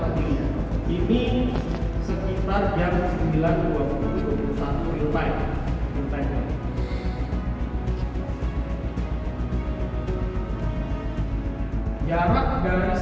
berdiri di kepulauan lubang